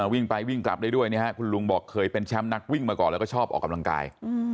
วิ่งไปวิ่งกลับได้ด้วยนะครับคุณลุงบอกเคยเป็นแชมป์นักวิ่งมาก่อนแล้วก็ชอบออกกำลังกาย